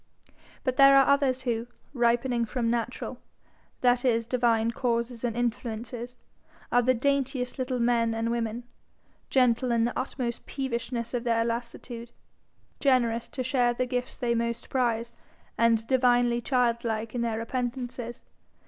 But there are others who, ripening from natural, that is divine causes and influences, are the daintiest little men and women, gentle in the utmost peevishness of their lassitude, generous to share the gifts they most prize, and divinely childlike in their repentances.